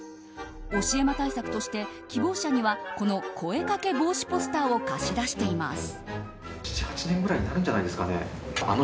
教え魔対策として希望者にはこの声掛け防止ポスターを貸し出しています。